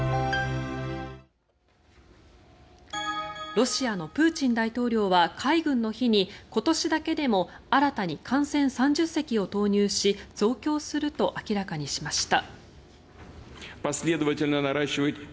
ロシアのプーチン大統領は海軍の日に今年だけでも新たに艦船３０隻を投入し増強すると明らかにしました。